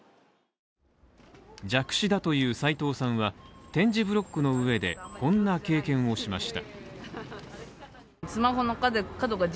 弱視だという齊藤さんは、点字ブロックの上でこんな経験をしました。